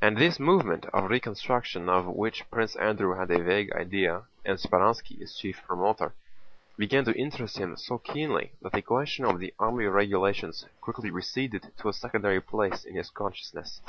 And this movement of reconstruction of which Prince Andrew had a vague idea, and Speránski its chief promoter, began to interest him so keenly that the question of the army regulations quickly receded to a secondary place in his consciousness.